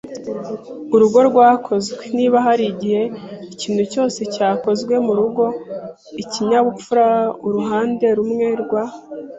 urugo rwakozwe niba harigihe ikintu cyose cyakozwe murugo; ikinyabupfura, uruhande rumwe rwa